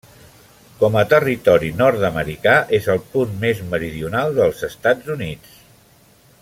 Com a territori nord-americà és el punt més meridional dels Estats Units.